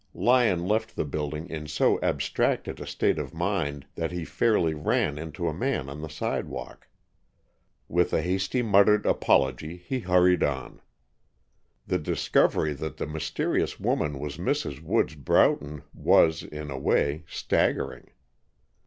Lyon left the building in so abstracted a state of mind that he fairly ran into a man on the sidewalk. With a hastily muttered apology, he hurried on. The discovery that the mysterious woman was Mrs. Woods Broughton was, in a way, staggering.